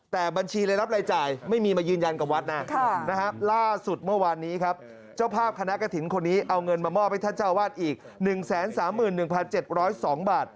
แต่บัญชีใดรับรายจ่ายไม่มีมายืนยันกับวัดนะ